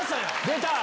出た！